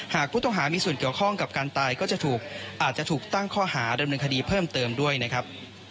หากผู้ต้องหามีส่วนเกี่ยวข้องกับการตายก็จะถูกอาจจะถูกตั้งข้อหาดำเนินคดีเพิ่มเติมด้วยนะครับ